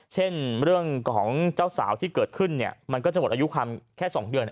เช่นเรื่องของเจ้าสาวที่เกิดขึ้นมันก็จะหมดอายุความแค่๒เดือน